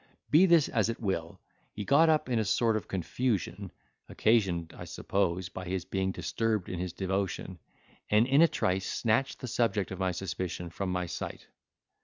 Be this as it will, he got up in a sort of confusion, occasioned (I suppose) by his being disturbed in his devotion, and in a trice snatched the subject of my suspicion from my sight.